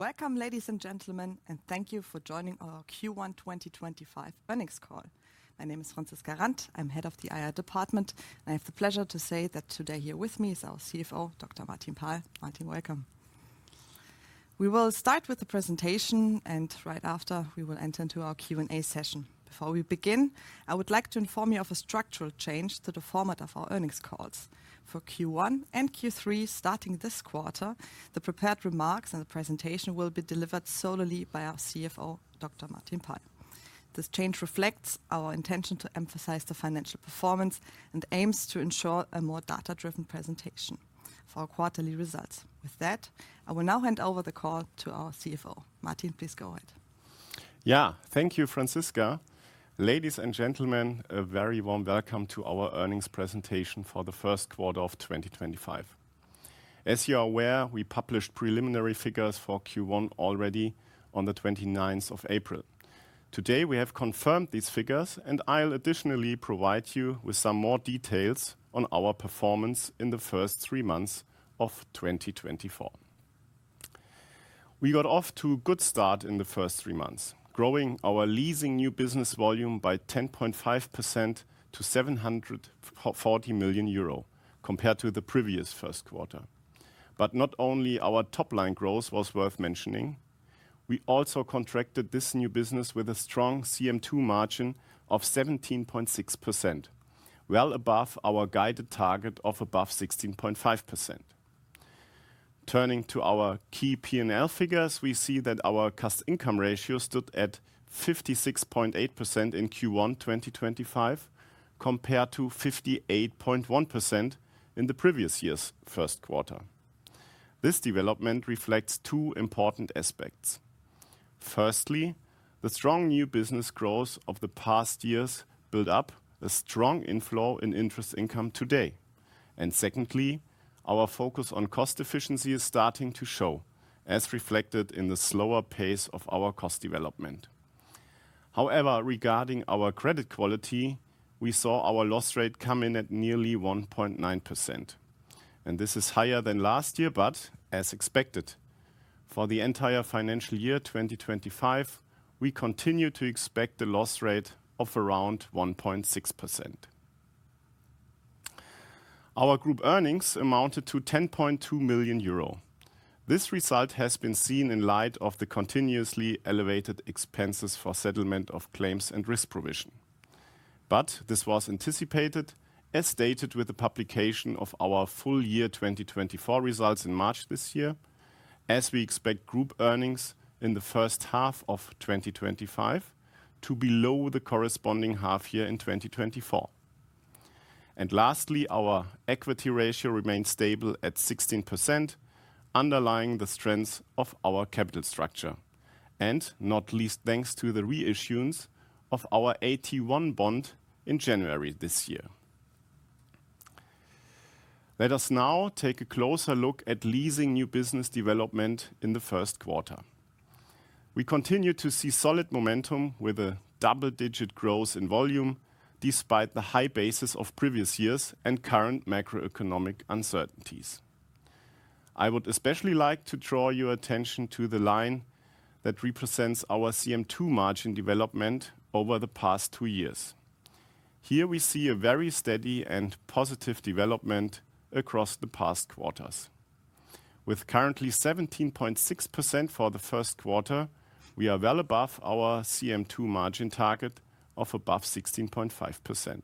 Welcome, ladies and gentlemen, and thank you for joining our Q1 2025 Earnings Call. My name is Franziska Randt, I'm Head of the IR department, and I have the pleasure to say that today here with me is our CFO, Dr. Martin Paal. Martin, welcome. We will start with the presentation, and right after, we will enter into our Q&A session. Before we begin, I would like to inform you of a structural change to the format of our earnings calls. For Q1 and Q3, starting this quarter, the prepared remarks and the presentation will be delivered solely by our CFO, Dr. Martin Paal. This change reflects our intention to emphasize the financial performance and aims to ensure a more data-driven presentation for our quarterly results. With that, I will now hand over the call to our CFO. Martin, please go ahead. Yeah, thank you, Franziska. Ladies and gentlemen, a very warm welcome to our earnings presentation for the Q1 of 2025. As you are aware, we published preliminary figures for Q1 already on the 29th of April. Today, we have confirmed these figures, and I'll additionally provide you with some more details on our performance in the first three months of 2024. We got off to a good start in the first three months, growing our leasing new business volume by 10.5% to 740 million euro compared to the previous first quarter. Not only our top-line growth was worth mentioning, we also contracted this new business with a strong CM2 margin of 17.6%, well above our guided target of above 16.5%. Turning to our key P&L figures, we see that our cost-income ratio stood at 56.8% in Q1 2025 compared to 58.1% in the previous year's first quarter. This development reflects two important aspects. Firstly, the strong new business growth of the past years built up a strong inflow in interest income today. Secondly, our focus on cost efficiency is starting to show, as reflected in the slower pace of our cost development. However, regarding our credit quality, we saw our loss rate come in at nearly 1.9%, and this is higher than last year, but as expected. For the entire financial year 2025, we continue to expect a loss rate of around 1.6%. Our group earnings amounted to 10.2 million euro. This result has been seen in light of the continuously elevated expenses for settlement of claims and risk provision. This was anticipated, as stated with the publication of our full year 2024 results in March this year, as we expect group earnings in the first half of 2025 to be lower than the corresponding half year in 2024. Lastly, our equity ratio remained stable at 16%, underlying the strength of our capital structure. Not least, thanks to the reissuance of our AT1 bond in January this year. Let us now take a closer look at leasing new business development in the first quarter. We continue to see solid momentum with double-digit growth in volume, despite the high basis of previous years and current macroeconomic uncertainties. I would especially like to draw your attention to the line that represents our CM2 margin development over the past two years. Here we see a very steady and positive development across the past quarters. With currently 17.6% for the first quarter, we are well above our CM2 margin target of above 16.5%.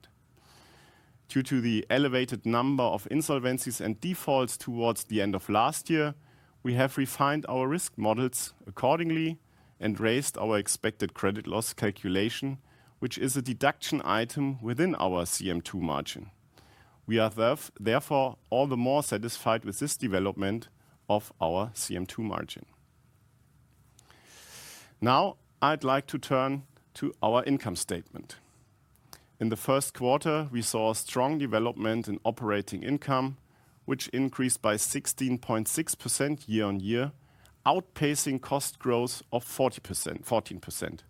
Due to the elevated number of insolvencies and defaults towards the end of last year, we have refined our risk models accordingly and raised our expected credit loss calculation, which is a deduction item within our CM2 margin. We are therefore all the more satisfied with this development of our CM2 margin. Now, I'd like to turn to our income statement. In the first quarter, we saw a strong development in operating income, which increased by 16.6% year on year, outpacing cost growth of 14%.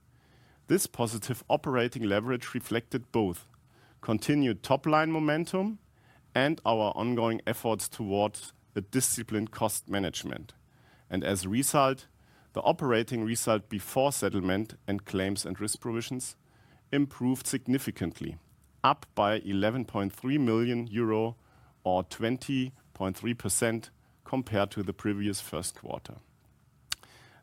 This positive operating leverage reflected both continued top-line momentum and our ongoing efforts towards a disciplined cost management. As a result, the operating result before settlement and claims and risk provisions improved significantly, up by 11.3 million euro or 20.3% compared to the previous first quarter.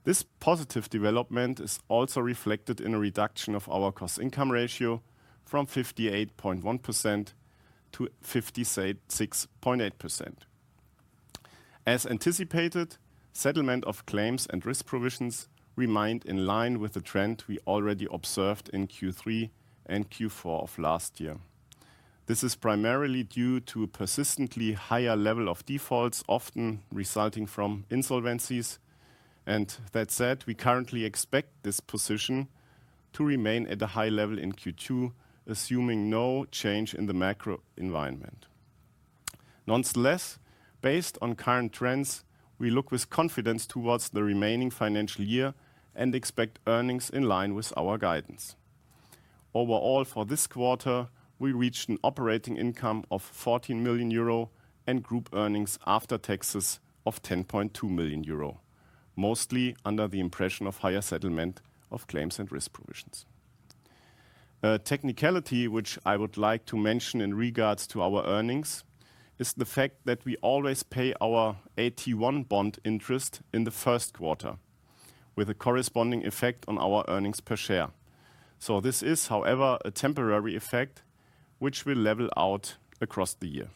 This positive development is also reflected in a reduction of our cost-income ratio from 58.1% to 56.8%. As anticipated, settlement of claims and risk provisions remained in line with the trend we already observed in Q3 and Q4 of last year. This is primarily due to a persistently higher level of defaults, often resulting from insolvencies. That said, we currently expect this position to remain at a high level in Q2, assuming no change in the macro environment. Nonetheless, based on current trends, we look with confidence towards the remaining financial year and expect earnings in line with our guidance. Overall, for this quarter, we reached an operating income of 14 million euro and group earnings after taxes of 10.2 million euro, mostly under the impression of higher settlement of claims and risk provisions. A technicality which I would like to mention in regards to our earnings is the fact that we always pay our AT1 bond interest in the first quarter, with a corresponding effect on our earnings per share. This is, however, a temporary effect which will level out across the year.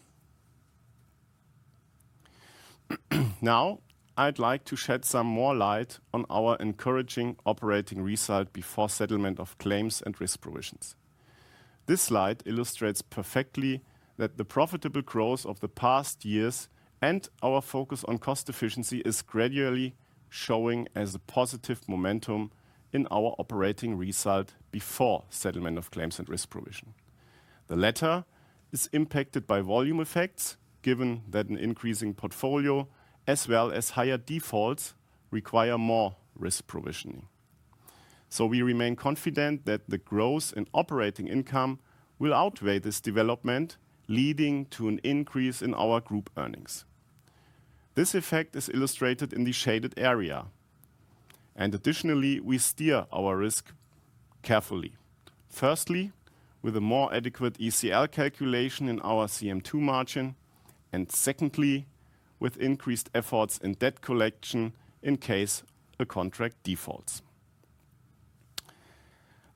Now, I'd like to shed some more light on our encouraging operating result before settlement of claims and risk provisions. This slide illustrates perfectly that the profitable growth of the past years and our focus on cost efficiency is gradually showing as a positive momentum in our operating result before settlement of claims and risk provision. The latter is impacted by volume effects, given that an increasing portfolio, as well as higher defaults, require more risk provisioning. We remain confident that the growth in operating income will outweigh this development, leading to an increase in our group earnings. This effect is illustrated in the shaded area. Additionally, we steer our risk carefully, firstly with a more adequate ECL calculation in our CM2 margin and secondly with increased efforts in debt collection in case a contract defaults.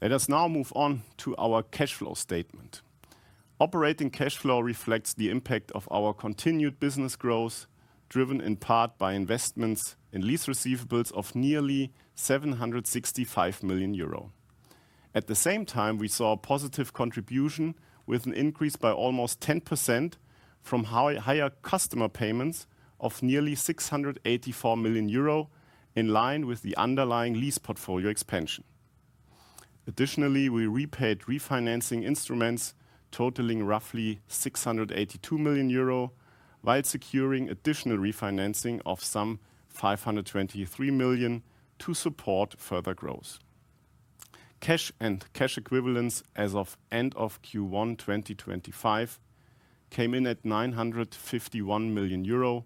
Let us now move on to our cash flow statement. Operating cash flow reflects the impact of our continued business growth, driven in part by investments in lease receivables of nearly 765 million euro. At the same time, we saw a positive contribution with an increase by almost 10% from higher customer payments of nearly 684 million euro, in line with the underlying lease portfolio expansion. Additionally, we repaid refinancing instruments totaling roughly 682 million euro while securing additional refinancing of some 523 million to support further growth. Cash and cash equivalents as of end of Q1 2025 came in at 951 million euro,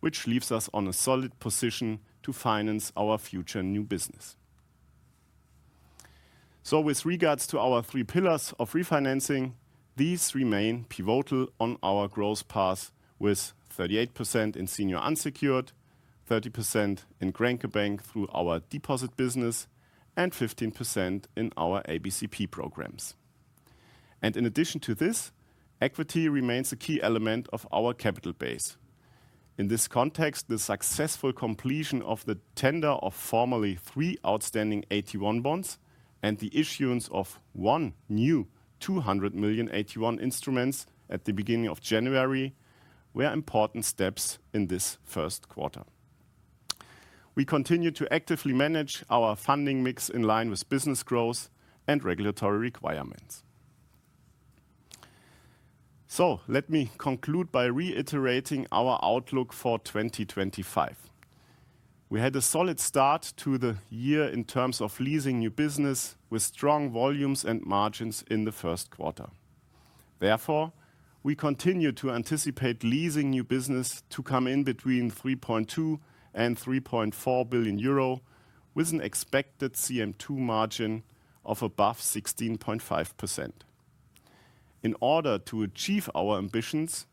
which leaves us on a solid position to finance our future new business. With regards to our three pillars of refinancing, these remain pivotal on our growth path, with 38% in senior unsecured, 30% in Grenke Bank through our deposit business, and 15% in our ABCP programs. In addition to this, equity remains a key element of our capital base. In this context, the successful completion of the tender of formerly three outstanding AT1 bonds and the issuance of one new 200 million AT1 instrument at the beginning of January were important steps in this first quarter. We continue to actively manage our funding mix in line with business growth and regulatory requirements. Let me conclude by reiterating our outlook for 2025. We had a solid start to the year in terms of leasing new business with strong volumes and margins in the first quarter. Therefore, we continue to anticipate leasing new business to come in between 3.2 billion and 3.4 billion euro, with an expected CM2 margin of above 16.5%. In order to achieve our ambitions,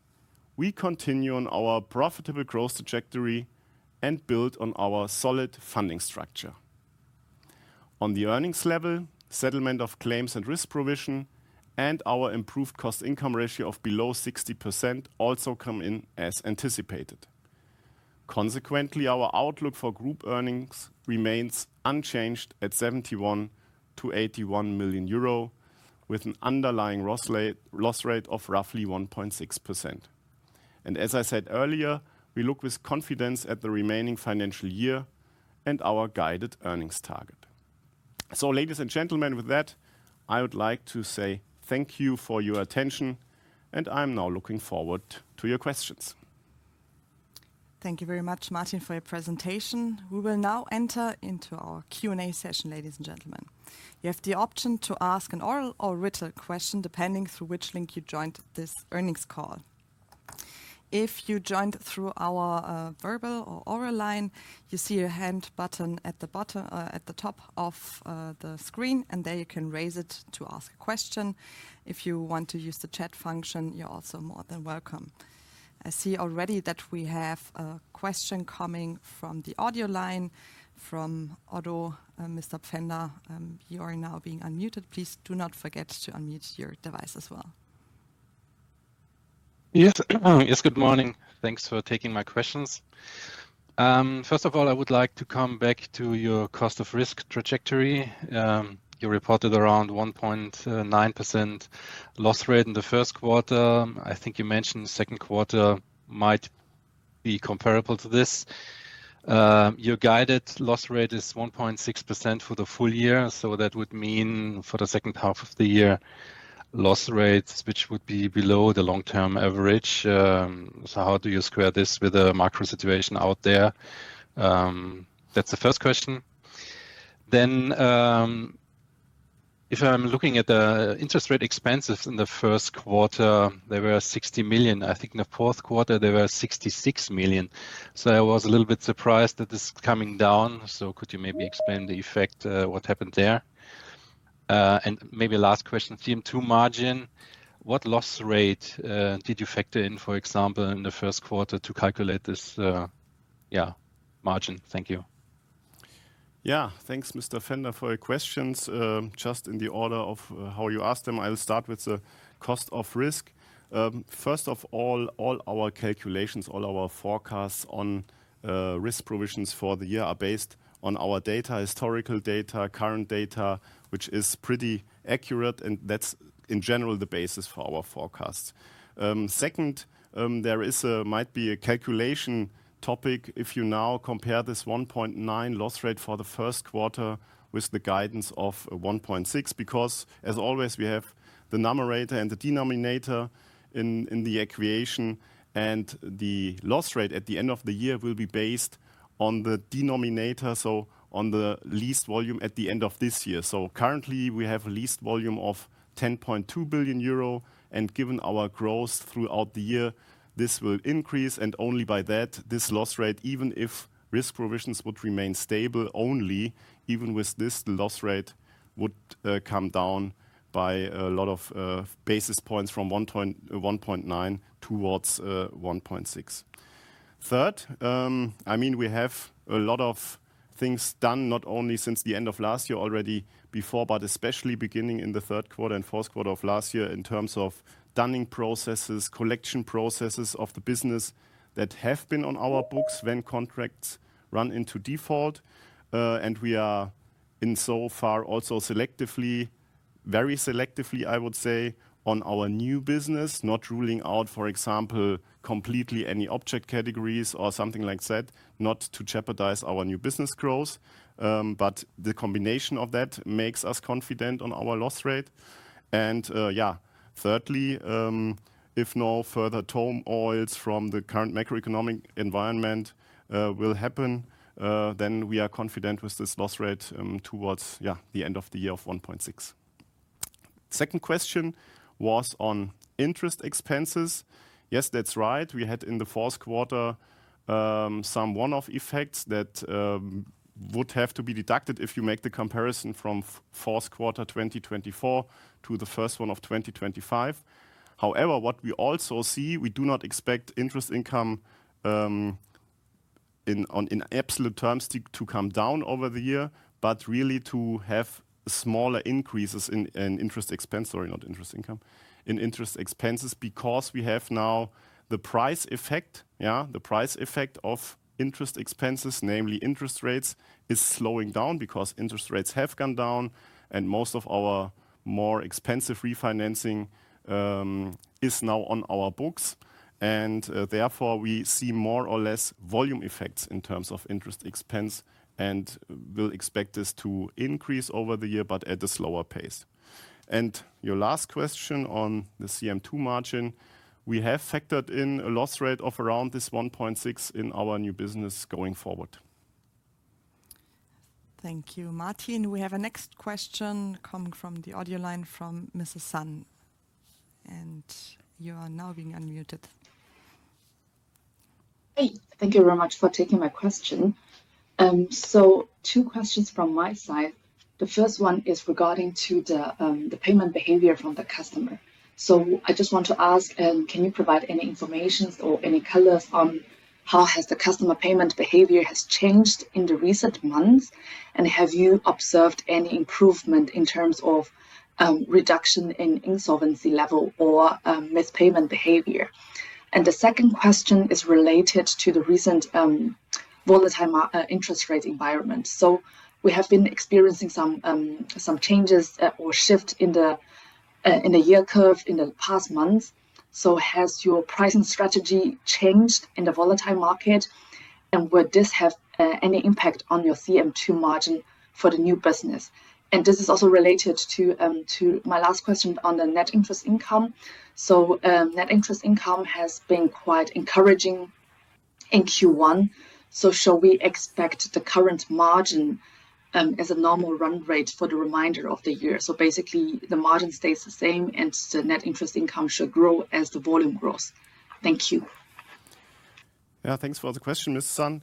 we continue on our profitable growth trajectory and build on our solid funding structure. On the earnings level, settlement of claims and risk provision and our improved cost-income ratio of below 60% also come in as anticipated. Consequently, our outlook for group earnings remains unchanged at 71 to 81 million euro, with an underlying loss rate of roughly 1.6%. As I said earlier, we look with confidence at the remaining financial year and our guided earnings target. Ladies and gentlemen, with that, I would like to say thank you for your attention, and I'm now looking forward to your questions. Thank you very much, Martin, for your presentation. We will now enter into our Q&A session, ladies and gentlemen. You have the option to ask an oral or written question depending through which link you joined this earnings call. If you joined through our verbal or oral line, you see a hand button at the top of the screen, and there you can raise it to ask a question. If you want to use the chat function, you're also more than welcome. I see already that we have a question coming from the audio line from Otto. Mr. Pfänder, you are now being unmuted. Please do not forget to unmute your device as well. Yes, good morning. Thanks for taking my questions. First of all, I would like to come back to your cost of risk trajectory. You reported around 1.9% loss rate in the first quarter. I think you mentioned the Q2 might be comparable to this. Your guided loss rate is 1.6% for the full year. That would mean for the second half of the year, loss rates which would be below the long-term average. How do you square this with the macro situation out there? That is the first question. If I am looking at the interest rate expenses in the first quarter, they were 60 million. I think in the fourth quarter, they were 66 million. I was a little bit surprised that this is coming down. Could you maybe explain the effect, what happened there? Maybe last question, CM2 margin, what loss rate did you factor in, for example, in the Q1 to calculate this margin? Thank you. Yeah, thanks, Mr. Pfänder, for your questions. Just in the order of how you asked them, I'll start with the cost of risk. First of all, all our calculations, all our forecasts on risk provisions for the year are based on our data, historical data, current data, which is pretty accurate. That is in general the basis for our forecasts. Second, there might be a calculation topic if you now compare this 1.9% loss rate for the Q1 with the guidance of 1.6%, because as always, we have the numerator and the denominator in the equation. The loss rate at the end of the year will be based on the denominator, so on the lease volume at the end of this year. Currently, we have a lease volume of 10.2 billion euro. Given our growth throughout the year, this will increase. Only by that, this loss rate, even if risk provisions would remain stable only, even with this, the loss rate would come down by a lot of basis points from 1.9% towards 1.6%. Third, I mean, we have a lot of things done, not only since the end of last year already before, but especially beginning in the Q3 and Q4 of last year in terms of dunning processes, collection processes of the business that have been on our books when contracts run into default. We are in so far also selectively, very selectively, I would say, on our new business, not ruling out, for example, completely any object categories or something like that, not to jeopardize our new business growth. The combination of that makes us confident on our loss rate. Yeah, thirdly, if no further tolls from the current macroeconomic environment will happen, then we are confident with this loss rate towards the end of the year of 1.6%. Second question was on interest expenses. Yes, that's right. We had in the Q4 some one-off effects that would have to be deducted if you make the comparison from Q4 2024 to the first one of 2025. However, what we also see, we do not expect interest income in absolute terms to come down over the year, but really to have smaller increases in interest expense, sorry, not interest income, in interest expenses, because we have now the price effect, the price effect of interest expenses, namely interest rates, is slowing down because interest rates have gone down and most of our more expensive refinancing is now on our books. Therefore, we see more or less volume effects in terms of interest expense and will expect this to increase over the year, but at a slower pace. Your last question on the CM2 margin, we have factored in a loss rate of around 1.6% in our new business going forward. Thank you, Martin. We have a next question coming from the audio line from Mrs. Sun, and you are now being unmuted. Hey, thank you very much for taking my question. Two questions from my side. The first one is regarding the payment behavior from the customer. I just want to ask, can you provide any information or any colors on how has the customer payment behavior changed in the recent months? Have you observed any improvement in terms of reduction in insolvency level or mispayment behavior? The second question is related to the recent volatile interest rate environment. We have been experiencing some changes or shift in the year curve in the past months. Has your pricing strategy changed in the volatile market? Would this have any impact on your CM2 margin for the new business? This is also related to my last question on the net interest income. Net interest income has been quite encouraging in Q1. Shall we expect the current margin as a normal run rate for the remainder of the year? Basically, the margin stays the same and the net interest income should grow as the volume grows. Thank you. Yeah, thanks for the question, Mrs. Sun.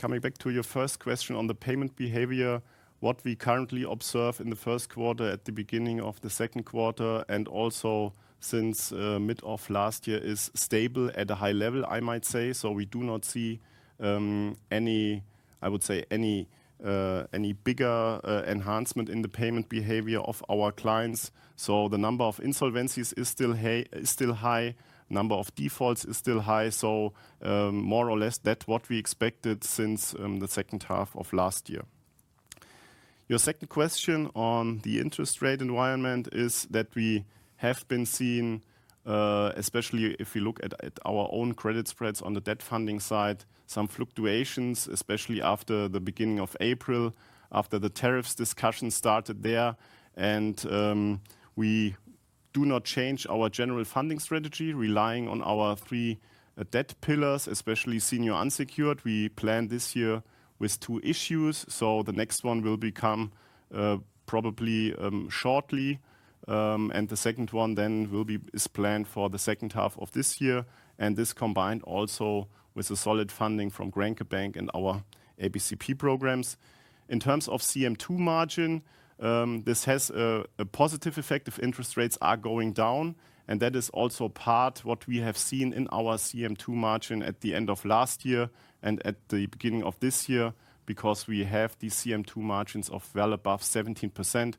Coming back to your first question on the payment behavior, what we currently observe in the Q1 at the beginning of the Q2 and also since mid of last year is stable at a high level, I might say. We do not see any, I would say, any bigger enhancement in the payment behavior of our clients. The number of insolvencies is still high, number of defaults is still high. More or less that is what we expected since the second half of last year. Your second question on the interest rate environment is that we have been seeing, especially if we look at our own credit spreads on the debt funding side, some fluctuations, especially after the beginning of April, after the tariffs discussion started there. We do not change our general funding strategy, relying on our three debt pillars, especially senior unsecured. We planned this year with two issues. The next one will become probably shortly. The second one then will be planned for the second half of this year. This is combined also with the solid funding from Grenke Bank and our ABCP programs. In terms of CM2 margin, this has a positive effect if interest rates are going down. That is also part of what we have seen in our CM2 margin at the end of last year and at the beginning of this year, because we have the CM2 margins of well above 17%.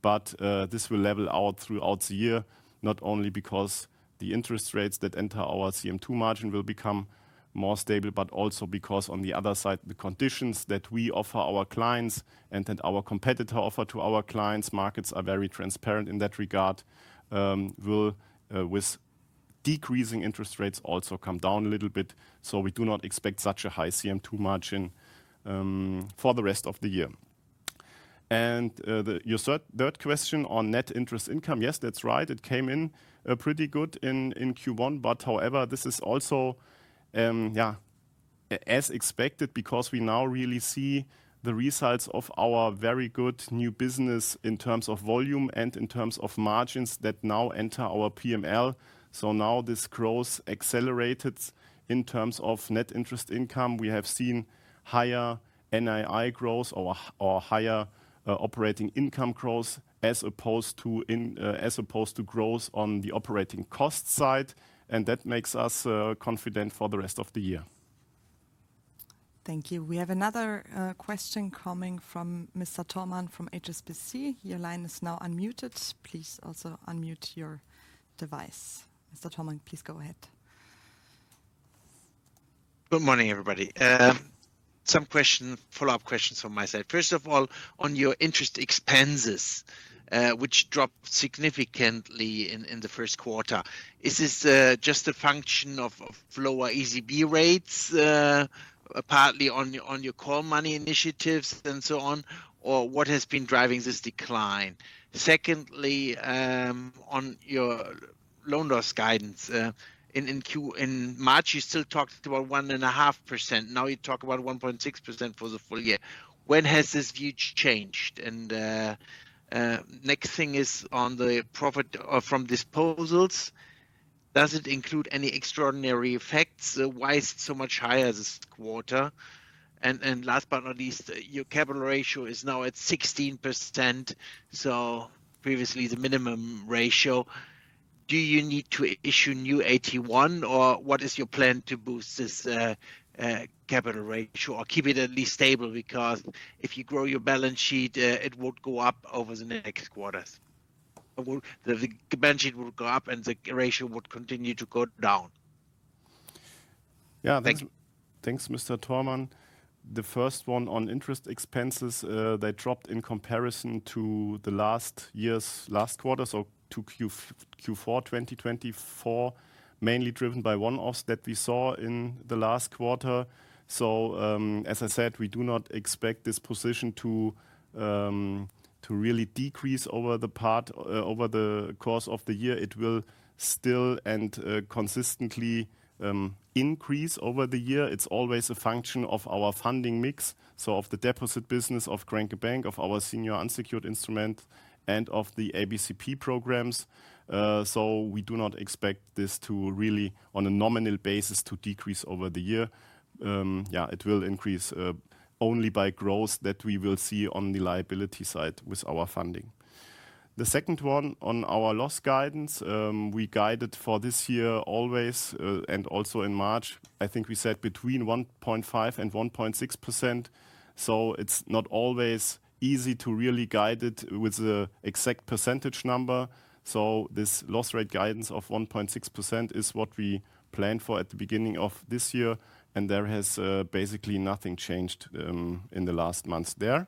This will level out throughout the year, not only because the interest rates that enter our CM2 margin will become more stable, but also because on the other side, the conditions that we offer our clients and that our competitor offers to our clients, markets are very transparent in that regard, will with decreasing interest rates also come down a little bit. We do not expect such a high CM2 margin for the rest of the year. Your third question on net interest income, yes, that's right. It came in pretty good in Q1. However, this is also, yeah, as expected, because we now really see the results of our very good new business in terms of volume and in terms of margins that now enter our P&L. Now this growth accelerated in terms of net interest income. We have seen higher NII growth or higher operating income growth as opposed to growth on the operating cost side. That makes us confident for the rest of the year. Thank you. We have another question coming from Mr. Thomann from HSBC. Your line is now unmuted. Please also unmute your device. Mr. Thomann, please go ahead. Good morning, everybody. Some questions, follow-up questions from my side. First of all, on your interest expenses, which dropped significantly in the first quarter, is this just a function of lower ECB rates, partly on your core money initiatives and so on, or what has been driving this decline? Secondly, on your loan loss guidance, in March, you still talked about 1.5%. Now you talk about 1.6% for the full year. When has this view changed? Next thing is on the profit from disposals. Does it include any extraordinary effects? Why is it so much higher this quarter? Last but not least, your capital ratio is now at 16%, so previously the minimum ratio. Do you need to issue new AT1, or what is your plan to boost this capital ratio or keep it at least stable? Because if you grow your balance sheet, it would go up over the next quarters. The balance sheet would go up and the ratio would continue to go down. Yeah, thanks. Thanks, Mr. Thomann. The first one on interest expenses, they dropped in comparison to last year's last quarter, so to Q4 2024, mainly driven by one-offs that we saw in the last quarter. As I said, we do not expect this position to really decrease over the course of the year. It will still and consistently increase over the year. It is always a function of our funding mix, so of the deposit business of Grenke Bank, of our senior unsecured instruments, and of the ABCP programs. We do not expect this to really, on a nominal basis, decrease over the year. It will increase only by growth that we will see on the liability side with our funding. The second one on our loss guidance, we guided for this year always, and also in March, I think we said between 1.5% and 1.6%. It is not always easy to really guide it with the exact percentage number. This loss rate guidance of 1.6% is what we planned for at the beginning of this year. There has basically nothing changed in the last months there.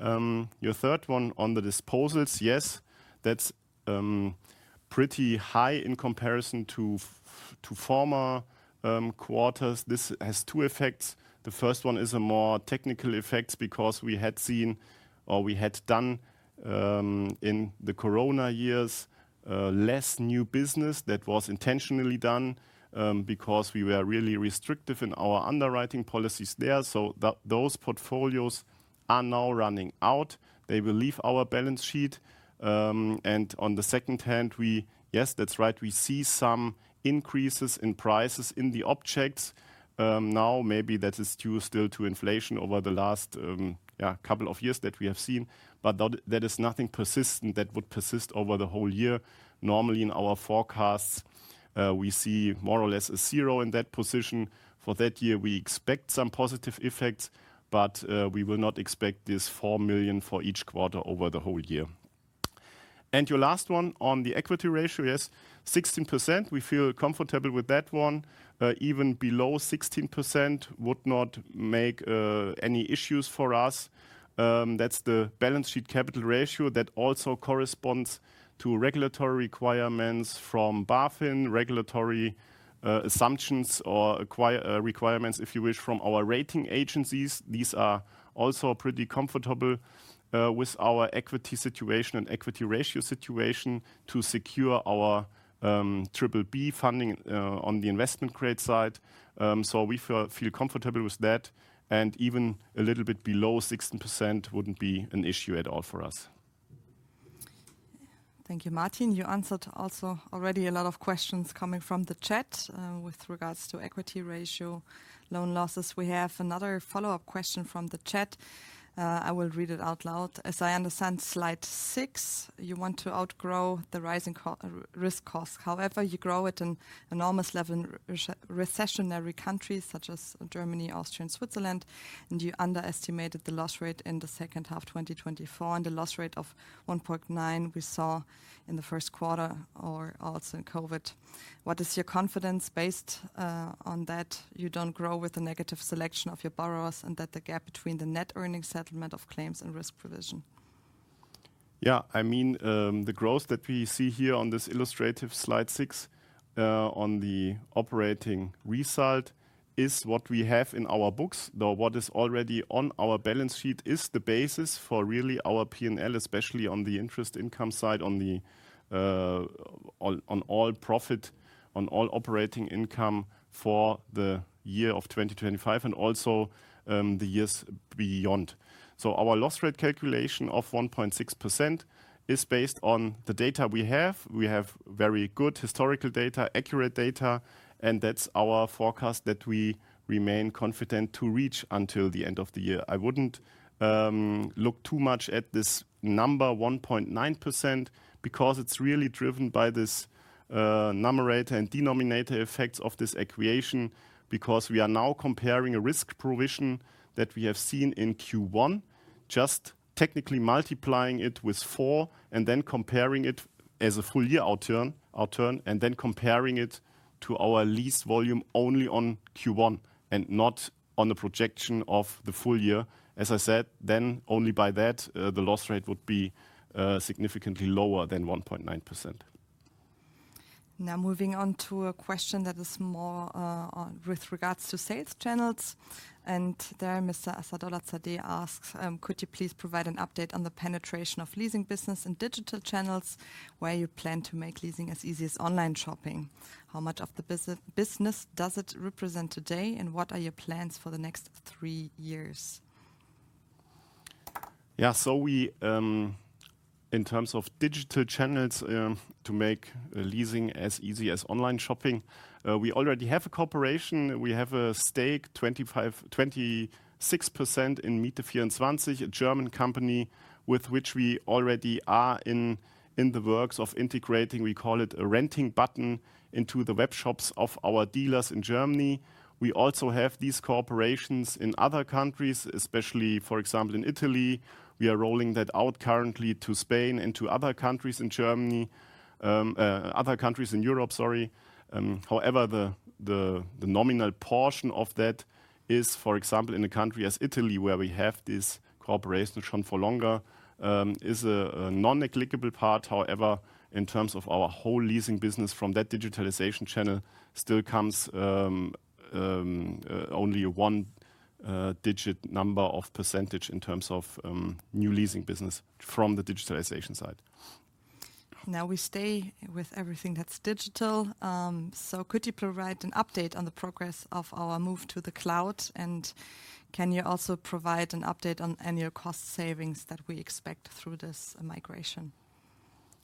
Your third one on the disposals, yes, that is pretty high in comparison to former quarters. This has two effects. The first one is a more technical effect because we had seen or we had done in the corona years less new business that was intentionally done because we were really restrictive in our underwriting policies there. Those portfolios are now running out. They will leave our balance sheet. On the second hand, yes, that is right, we see some increases in prices in the objects. Maybe that is due still to inflation over the last couple of years that we have seen. That is nothing persistent that would persist over the whole year. Normally, in our forecasts, we see more or less a zero in that position. For that year, we expect some positive effects, but we will not expect this 4 million for each quarter over the whole year. Your last one on the equity ratio, yes, 16%. We feel comfortable with that one. Even below 16% would not make any issues for us. That is the balance sheet capital ratio that also corresponds to regulatory requirements from BaFin, regulatory assumptions or requirements, if you wish, from our rating agencies. These are also pretty comfortable with our equity situation and equity ratio situation to secure our BBB funding on the investment grade side. We feel comfortable with that. Even a little bit below 16% would not be an issue at all for us. Thank you, Martin. You answered also already a lot of questions coming from the chat with regards to equity ratio, loan losses. We have another follow-up question from the chat. I will read it out loud. As I understand, slide six, you want to outgrow the rising risk costs. However, you grow at an enormous level in recessionary countries such as Germany, Austria, and Switzerland. And you underestimated the loss rate in the second half 2024 and the loss rate of 1.9% we saw in the Q1 or also in COVID. What is your confidence based on that you do not grow with a negative selection of your borrowers and that the gap between the net earnings settlement of claims and risk provision? Yeah, I mean, the growth that we see here on this illustrative slide six on the operating result is what we have in our books. Though what is already on our balance sheet is the basis for really our P&L, especially on the interest income side, on all profit, on all operating income for the year of 2025 and also the years beyond. Our loss rate calculation of 1.6% is based on the data we have. We have very good historical data, accurate data, and that's our forecast that we remain confident to reach until the end of the year. I wouldn't look too much at this number 1.9% because it's really driven by this numerator and denominator effects of this equation because we are now comparing a risk provision that we have seen in Q1, just technically multiplying it with four and then comparing it as a full year outturn and then comparing it to our lease volume only on Q1 and not on the projection of the full year. As I said, then only by that, the loss rate would be significantly lower than 1.9%. Now moving on to a question that is more with regards to sales channels. There, Mr. Asadolatz asks, could you please provide an update on the penetration of leasing business in digital channels where you plan to make leasing as easy as online shopping? How much of the business does it represent today and what are your plans for the next three years? Yeah, so in terms of digital channels to make leasing as easy as online shopping, we already have a cooperation. We have a stake, 26%, in Miet24, a German company with which we already are in the works of integrating, we call it a renting button into the web shops of our dealers in Germany. We also have these cooperations in other countries, especially for example in Italy. We are rolling that out currently to Spain and to other countries in Europe, sorry. However, the nominal portion of that is, for example, in a country as Italy where we have this cooperation for longer, is a non-negligible part. However, in terms of our whole leasing business from that digitalization channel, still comes only a one-digit number of percentage in terms of new leasing business from the digitalization side. Now we stay with everything that's digital. Could you provide an update on the progress of our move to the cloud? Can you also provide an update on annual cost savings that we expect through this migration?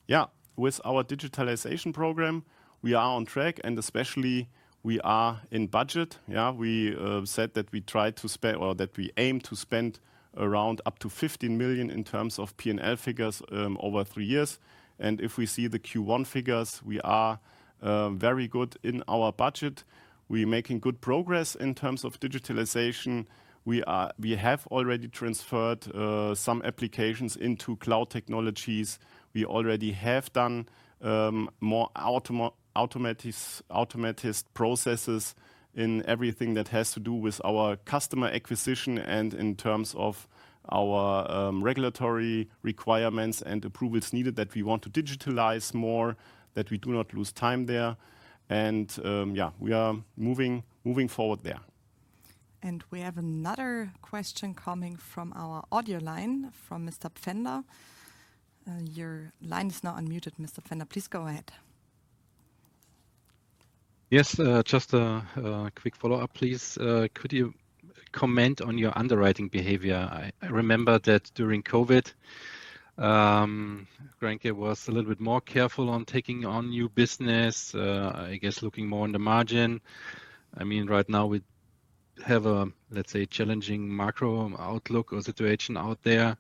Yeah, with our digitalization program, we are on track and especially we are in budget. Yeah, we said that we try to spend or that we aim to spend around up to 15 million in terms of P&L figures over three years. If we see the Q1 figures, we are very good in our budget. We are making good progress in terms of digitalization. We have already transferred some applications into cloud technologies. We already have done more automatic processes in everything that has to do with our customer acquisition and in terms of our regulatory requirements and approvals needed that we want to digitalize more, that we do not lose time there. Yeah, we are moving forward there. We have another question coming from our audio line from Mr. Pfänder. Your line is now unmuted, Mr. Pfänder. Please go ahead. Yes, just a quick follow-up, please. Could you comment on your underwriting behavior? I remember that during COVID, Grenke was a little bit more careful on taking on new business, I guess looking more in the margin. I mean, right now we have a, let's say, challenging macro outlook or situation out there.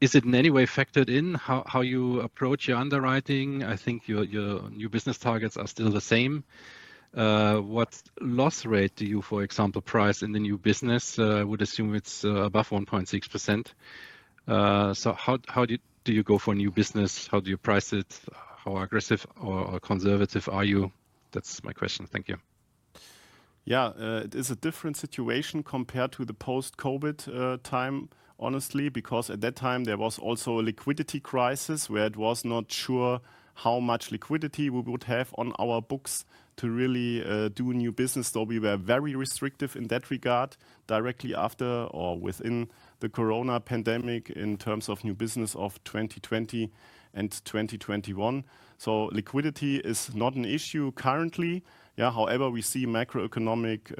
Is it in any way factored in how you approach your underwriting? I think your new business targets are still the same. What loss rate do you, for example, price in the new business? I would assume it's above 1.6%. How do you go for new business? How do you price it? How aggressive or conservative are you? That's my question. Thank you. Yeah, it is a different situation compared to the post-COVID time, honestly, because at that time there was also a liquidity crisis where it was not sure how much liquidity we would have on our books to really do new business. We were very restrictive in that regard directly after or within the corona pandemic in terms of new business of 2020 and 2021. Liquidity is not an issue currently. Yeah, however, we see macroeconomic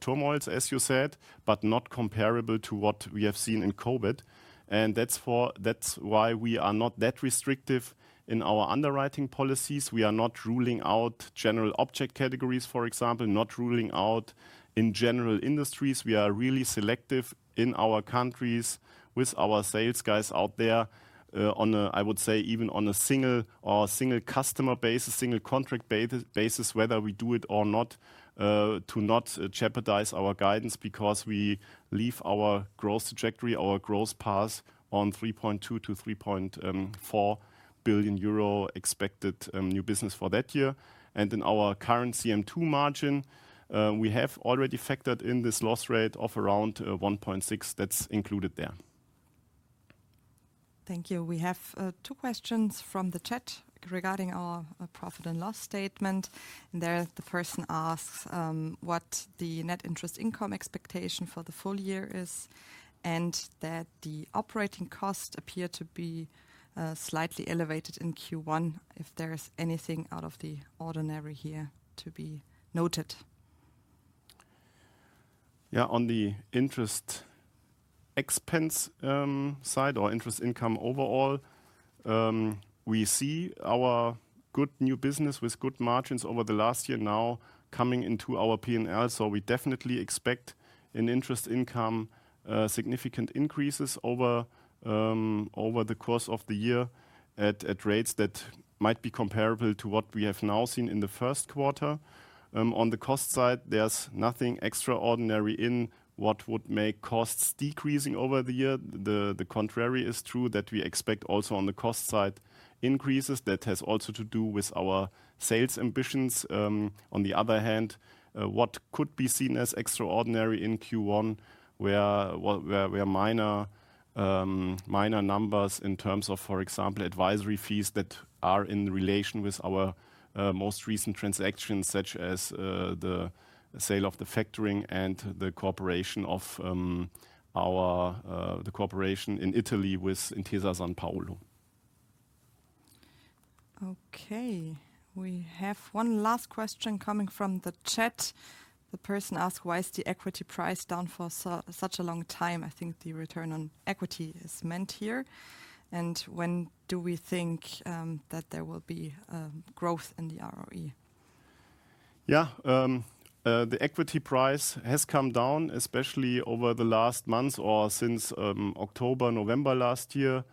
turmoils, as you said, but not comparable to what we have seen in COVID. That is why we are not that restrictive in our underwriting policies. We are not ruling out general object categories, for example, not ruling out in general industries. We are really selective in our countries with our sales guys out there on a, I would say, even on a single customer basis, single contract basis, whether we do it or not to not jeopardize our guidance because we leave our growth trajectory, our growth path on 3.2 to 3.4 billion euro expected new business for that year. In our current CM2 margin, we have already factored in this loss rate of around 1.6%. That is included there. Thank you. We have two questions from the chat regarding our profit and loss statement. There the person asks what the net interest income expectation for the full year is and that the operating cost appeared to be slightly elevated in Q1. If there is anything out of the ordinary here to be noted. Yeah, on the interest expense side or interest income overall, we see our good new business with good margins over the last year now coming into our P&L. We definitely expect in interest income significant increases over the course of the year at rates that might be comparable to what we have now seen in the first quarter. On the cost side, there is nothing extraordinary in what would make costs decreasing over the year. The contrary is true that we expect also on the cost side increases. That has also to do with our sales ambitions. On the other hand, what could be seen as extraordinary in Q1 were minor numbers in terms of, for example, advisory fees that are in relation with our most recent transactions, such as the sale of the factoring and the cooperation of our cooperation in Italy with Intesa Sanpaolo. Okay, we have one last question coming from the chat. The person asks, why is the equity price down for such a long time? I think the return on equity is meant here. When do we think that there will be growth in the ROE? Yeah, the equity price has come down, especially over the last months or since October, November last year.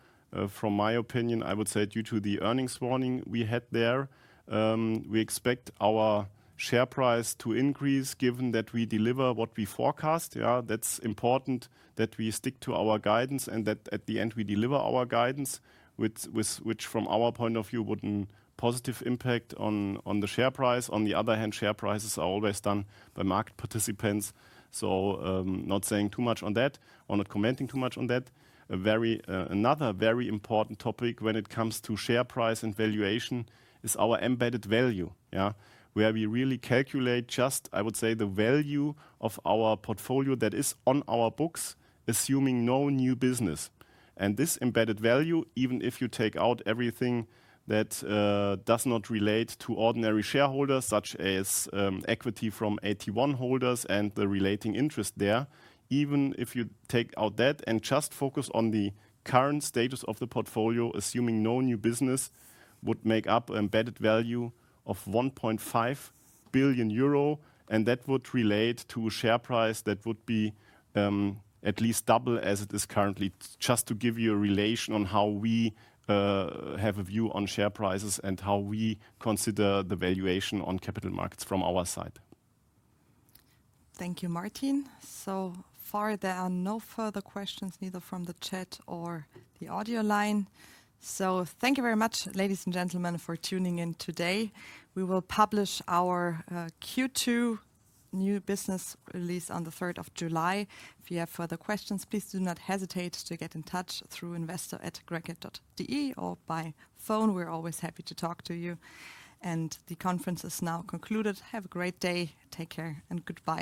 From my opinion, I would say due to the earnings warning we had there, we expect our share price to increase given that we deliver what we forecast. Yeah, that's important that we stick to our guidance and that at the end we deliver our guidance, which from our point of view would have a positive impact on the share price. On the other hand, share prices are always done by market participants. Not saying too much on that, or not commenting too much on that. Another very important topic when it comes to share price and valuation is our embedded value, yeah, where we really calculate just, I would say, the value of our portfolio that is on our books, assuming no new business. This embedded value, even if you take out everything that does not relate to ordinary shareholders, such as equity from AT1 holders and the relating interest there, even if you take out that and just focus on the current status of the portfolio, assuming no new business would make up an embedded value of 1.5 billion euro, and that would relate to share price that would be at least double as it is currently. Just to give you a relation on how we have a view on share prices and how we consider the valuation on capital markets from our side. Thank you, Martin. So far, there are no further questions neither from the chat or the audio line. Thank you very much, ladies and gentlemen, for tuning in today. We will publish our Q2 new business release on the 3rd July. If you have further questions, please do not hesitate to get in touch through investor@grenke.de or by phone. We're always happy to talk to you. The conference is now concluded. Have a great day, take care, and goodbye.